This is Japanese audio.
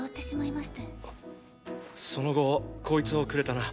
その後こいつをくれたな？